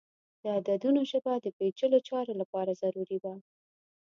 د عددونو ژبه د پیچلو چارو لپاره ضروری وه.